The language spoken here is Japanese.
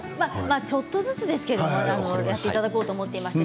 ちょっとずつですけれどもやっていただこうと思います。